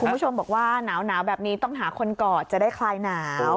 คุณผู้ชมบอกว่าหนาวแบบนี้ต้องหาคนกอดจะได้คลายหนาว